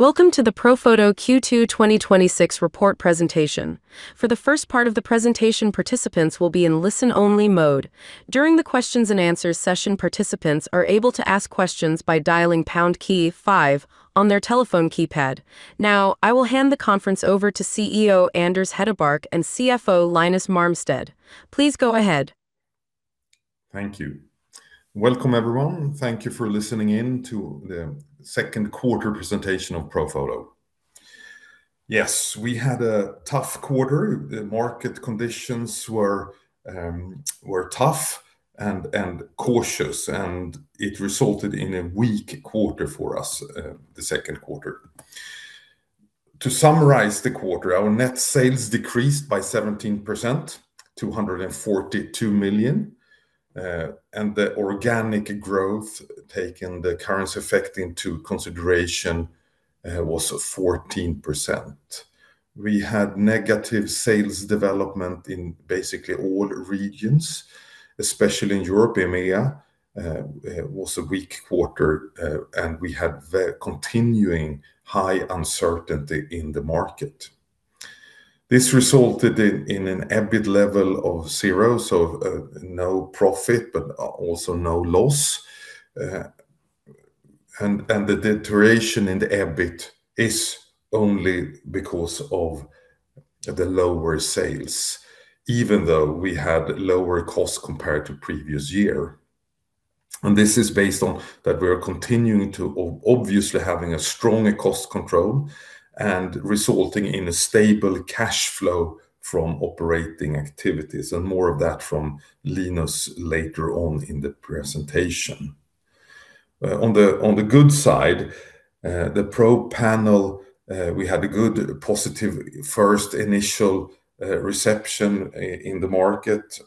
Welcome to the Profoto Q2 2026 report presentation. For the first part of the presentation, participants will be in listen-only mode. During the questions and answers session, participants are able to ask questions by dialing pound key five on their telephone keypad. Now, I will hand the conference over to CEO Anders Hedebark and CFO Linus Marmstedt. Please go ahead. Thank you. Welcome, everyone. Thank you for listening in to the second quarter presentation of Profoto. Yes, we had a tough quarter. The market conditions were tough and cautious, and it resulted in a weak quarter for us, the second quarter. To summarize the quarter, our net sales decreased by 17%, 242 million. The organic growth, taking the currency effect into consideration, was 14%. We had negative sales development in basically all regions, especially in Europe, EMEA. It was a weak quarter. We had continuing high uncertainty in the market. This resulted in an EBIT level of zero, so no profit, but also no loss. The deterioration in the EBIT is only because of the lower sales, even though we had lower costs compared to previous year. This is based on that we are continuing to obviously having a stronger cost control and resulting in a stable cash flow from operating activities, and more of that from Linus later on in the presentation. On the good side, the ProPanel, we had a good positive first initial reception in the market.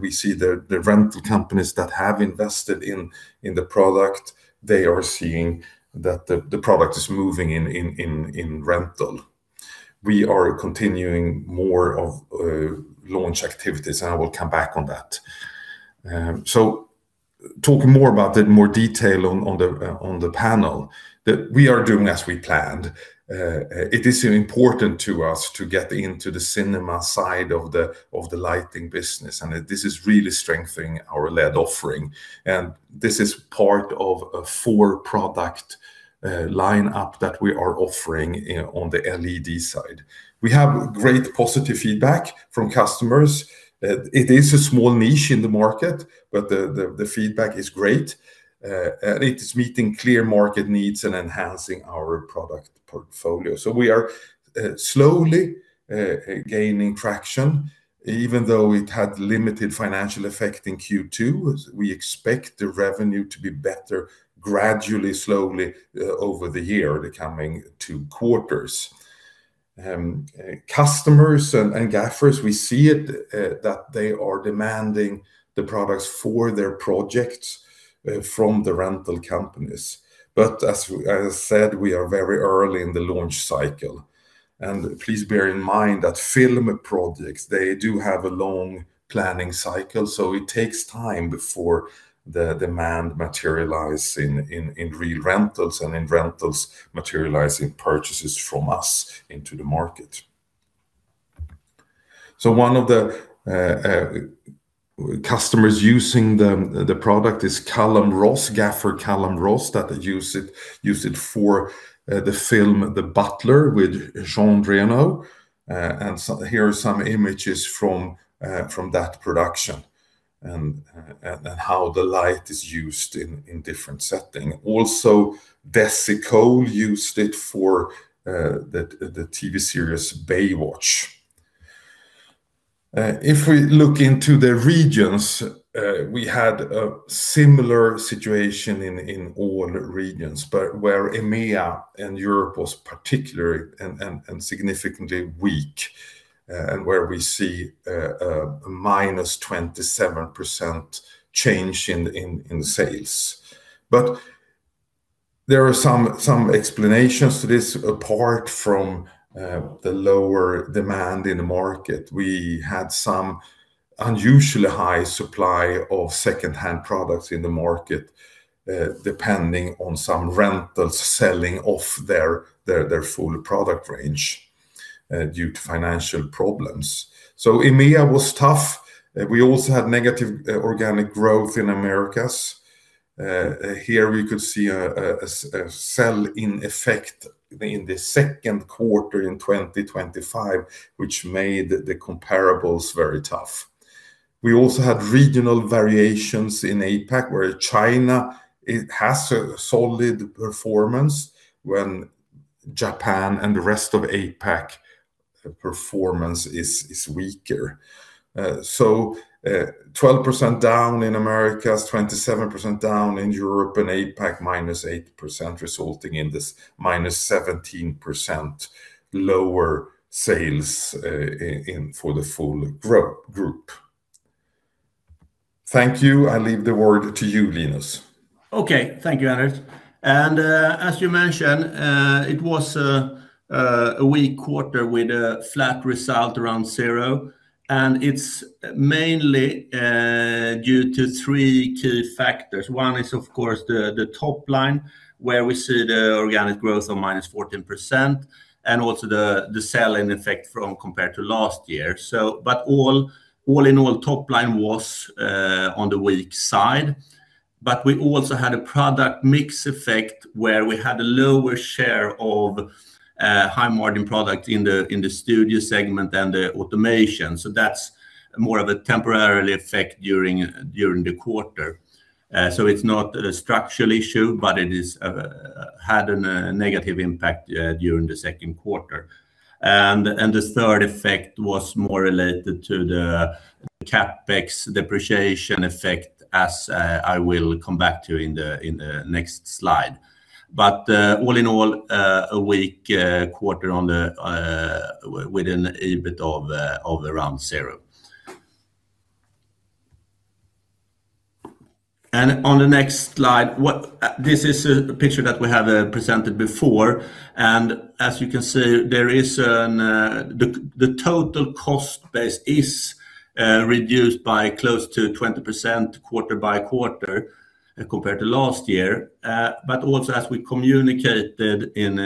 We see the rental companies that have invested in the product. They are seeing that the product is moving in rental. We are continuing more of launch activities. I will come back on that. Talking more about that, more detail on the panel that we are doing as we planned. It is important to us to get into the cinema side of the lighting business. This is really strengthening our LED offering. This is part of a four-product lineup that we are offering on the LED side. We have great positive feedback from customers. It is a small niche in the market, but the feedback is great. It is meeting clear market needs and enhancing our product portfolio. We are slowly gaining traction. Even though it had limited financial effect in Q2, we expect the revenue to be better gradually, slowly over the year, the coming two quarters. Customers and gaffers, we see it that they are demanding the products for their projects from the rental companies. As I said, we are very early in the launch cycle. Please bear in mind that film projects, they do have a long planning cycle, so it takes time before the demand materialize in re-rentals and in rentals materializing purchases from us into the market. One of the customers using the product is Cullum Ross, Gaffer Cullum Ross, that used it for the film The Butler with Jean Reno. Here are some images from that production and how the light is used in different setting. Also, Dessie Coale used it for the TV series Baywatch. If we look into the regions, we had a similar situation in all regions, where EMEA and Europe was particularly and significantly weak, and where we see a -27% change in sales. There are some explanations to this apart from the lower demand in the market. We had some unusually high supply of secondhand products in the market, depending on some rentals selling off their full product range due to financial problems. EMEA was tough. We also had negative organic growth in Americas. Here we could see a sell-in effect in the second quarter 2025, which made the comparables very tough. We also had regional variations in APAC, where China has a solid performance when Japan and the rest of APAC performance is weaker. 12% down in Americas, 27% down in Europe, and APAC -8%, resulting in this -17% lower sales for the full group. Thank you. I leave the word to you, Linus. Okay. Thank you, Anders. As you mentioned, it was a weak quarter with a flat result around zero. It's mainly due to three key factors. One is, of course, the top line, where we see the organic growth of -14%, and also the selling effect from compared to last year. All in all, top line was on the weak side. We also had a product mix effect where we had a lower share of high margin product in the studio segment than the automation. That's more of a temporary effect during the quarter. It's not a structural issue, but it has had a negative impact during the second quarter. The third effect was more related to the CapEx depreciation effect as I will come back to in the next slide. All in all, a weak quarter with an EBIT of around zero. On the next slide, this is a picture that we have presented before. As you can see, the total cost base is reduced by close to 20% quarter-by-quarter compared to last year. Also as we communicated in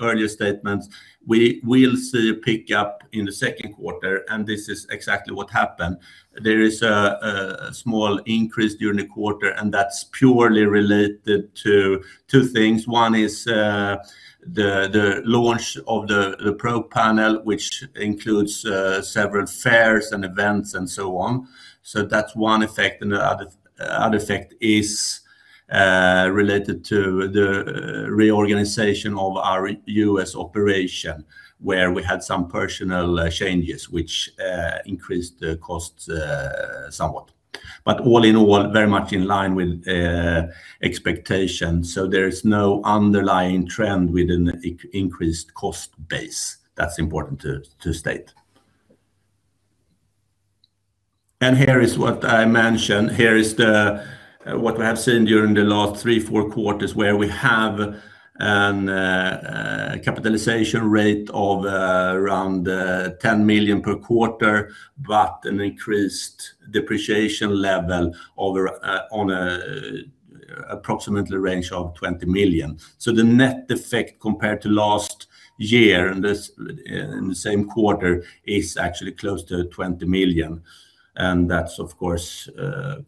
earlier statements, we will see a pickup in the second quarter, and this is exactly what happened. There is a small increase during the quarter, and that's purely related to two things. One is the launch of the ProPanel, which includes several fairs and events and so on. That's one effect, and the other effect is related to the reorganization of our U.S. operation, where we had some personnel changes which increased the cost somewhat. All in all, very much in line with expectation. There is no underlying trend with an increased cost base. That's important to state. Here is what I mentioned. Here is what we have seen during the last three, four quarters where we have a capitalization rate of around 10 million per quarter, but an increased depreciation level on approximately a range of 20 million. The net effect compared to last year in the same quarter is actually close to 20 million, and that's, of course,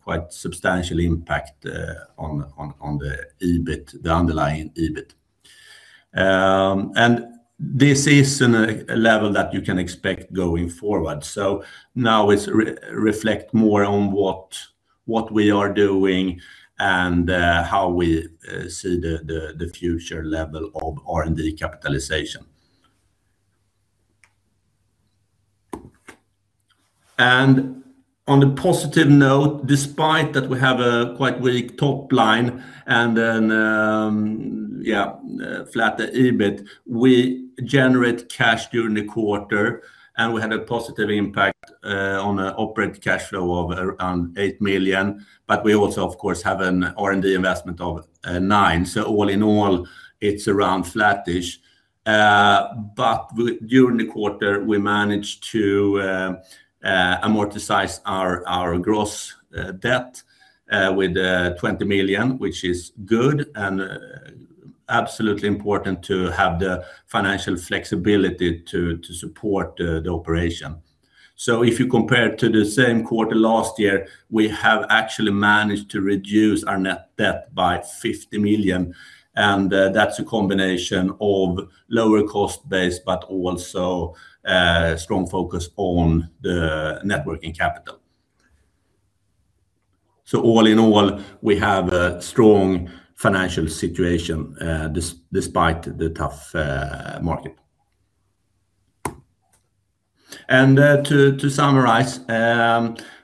quite a substantial impact on the underlying EBIT. This is a level that you can expect going forward. Now it reflects more on what we are doing and how we see the future level of R&D capitalization. On a positive note, despite that we have a quite weak top line and a flat EBIT, we generate cash during the quarter, and we had a positive impact on operating cash flow of around 8 million. We also, of course, have an R&D investment of 9. All in all, it's around flattish. During the quarter, we managed to amortize our gross debt with 20 million, which is good and absolutely important to have the financial flexibility to support the operation. If you compare to the same quarter last year, we have actually managed to reduce our net debt by 50 million, and that's a combination of lower cost base, but also a strong focus on the net working capital. All in all, we have a strong financial situation despite the tough market. To summarize,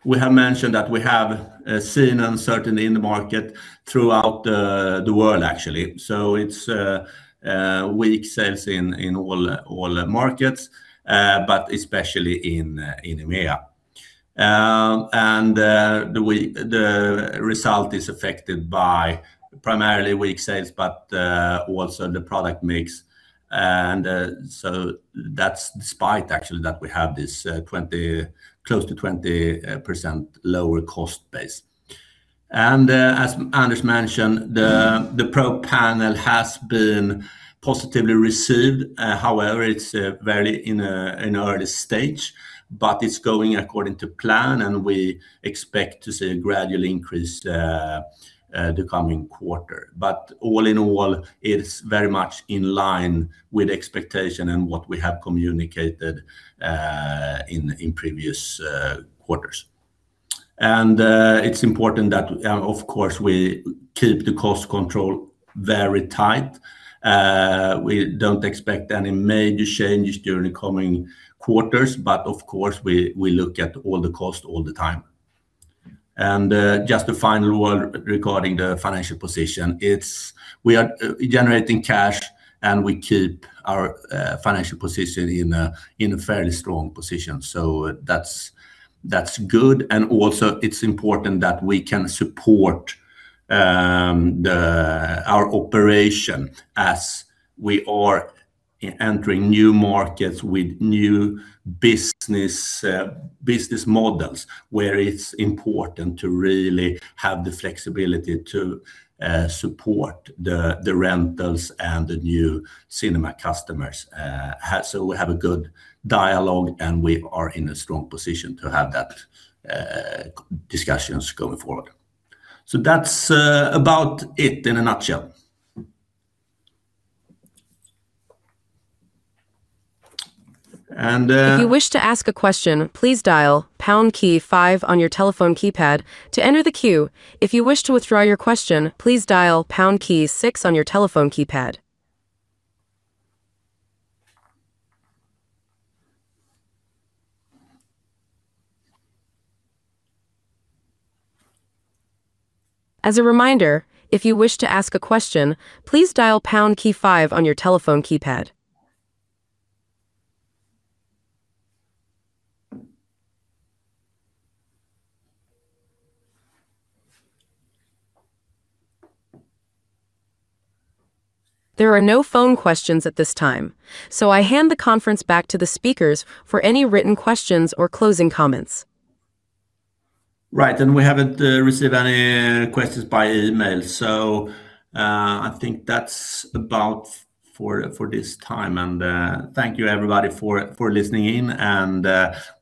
we have mentioned that we have seen uncertainty in the market throughout the world, actually. It's weak sales in all markets, but especially in EMEA. The result is affected by primarily weak sales, but also the product mix. That's despite, actually, that we have this close to 20% lower cost base. As Anders mentioned, theProPanel has been positively received. However, it's very in an early stage, but it's going according to plan, and we expect to see a gradual increase the coming quarter. All in all, it's very much in line with expectation and what we have communicated in previous quarters. It's important that, of course, we keep the cost control very tight. We don't expect any major changes during the coming quarters, but of course, we look at all the cost all the time. Just a final word regarding the financial position. We are generating cash, and we keep our financial position in a fairly strong position. That's good, and also it's important that we can support our operation as we are entering new markets with new business models where it's important to really have the flexibility to support the rentals and the new cinema customers. We have a good dialogue, and we are in a strong position to have that discussions going forward. That's about it in a nutshell. If you wish to ask a question, please dial pound key five on your telephone keypad to enter the queue. If you wish to withdraw your question, please dial pound key six on your telephone keypad. As a reminder, if you wish to ask a question, please dial pound key five on your telephone keypad. There are no phone questions at this time. I hand the conference back to the speakers for any written questions or closing comments. Right. We haven't received any questions by email, so I think that's about for this time. Thank you, everybody, for listening in, and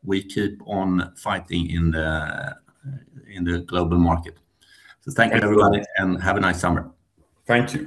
we keep on fighting in the global market. Thank you, everybody, and have a nice summer. Thank you